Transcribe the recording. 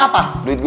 ya sudah kalau gitu